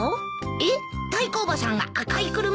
えっタイコおばさんが赤い車に？